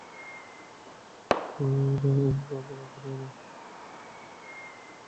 না ওম কাপুর এখানে নেই।